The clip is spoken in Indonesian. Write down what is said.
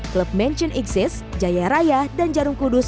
klub mansion xs jaya raya dan jarum kudus